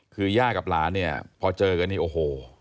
คือย่ากับหลานเนี่ยพอเจอกันนี่โอ้โห